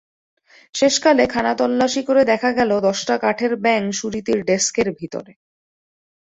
শেষকালে খানাতল্লাসি করে দেখা গেল, দশটা কাঠের ব্যাঙ সুরীতির ডেস্কের ভিতরে।